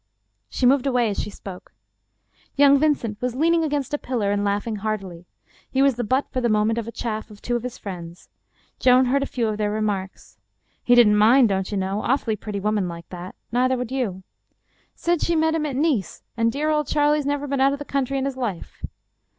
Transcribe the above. She moved away as she spoke. Young Vincent was leaning against a pillar and laugh ing heartily. He was the butt for the moment of the chaff of two of his friends. Joan heard a few of their remarks. " He didn't mind, don't you know — awfully pretty wom an like that. Neither would you." " Said she met him at Nice, and dear old Charlie's never been out of the country in his life."